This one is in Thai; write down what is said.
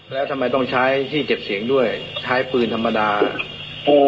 แล้วทำไมต้องใช้ที่เก็บเสียงด้วยใช้ปืนธรรมดาโอ้